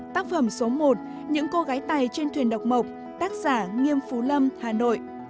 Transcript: tác phẩm số một những cô gái tày trên thuyền độc mộc tác giả nghiêm phú lâm hà nội